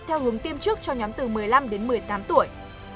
theo hướng tiêm trước cho nhóm từ một mươi năm đến một mươi tám tuổi